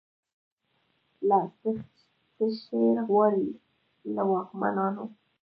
لا« څشي غواړی» له واکمنانو